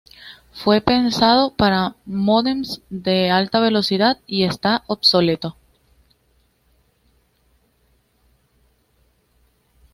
Fue pensado para módems de alta velocidad, y está obsoleto.